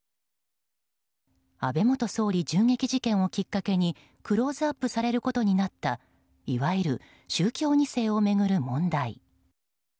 安倍元総理銃撃事件をきっかけにクローズアップされることになったいわゆる宗教２世を巡る問題。